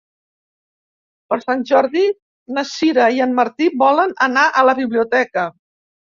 Per Sant Jordi na Sira i en Martí volen anar a la biblioteca.